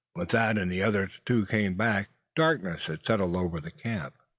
When Thad and the other two came back, darkness had settled over the scene.